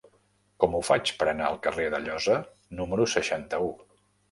Com ho faig per anar al carrer d'Alloza número seixanta-u?